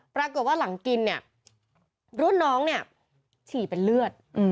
ปรากฏว่าหลังกินรุ่นน้องฉี่เป็นเลือด